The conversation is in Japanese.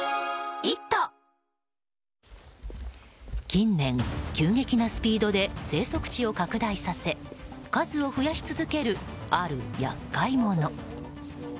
近年、急激なスピードで生息地を拡大させ数を増やし続ける、ある厄介者。